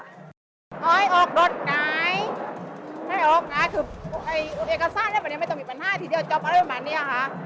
เอาให้ออกรถไหนให้ออกไหนคือเอกสารไม่ต้องมีปัญหาทีเดียวจอบอะไรแบบนี้ค่ะ